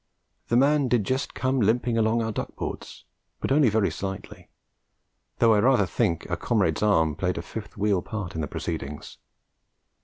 The man did just come limping along our duck boards, but only very slightly, though I rather think a comrade's arm played a fifth wheel part in the proceedings.